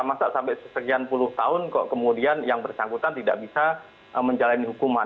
masa sampai sejauh sepuluh tahun kemudian yang bersangkutan tidak bisa menjalani hukuman